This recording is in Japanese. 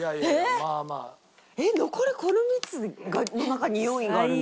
えっ残りこの３つの中に４位があるの？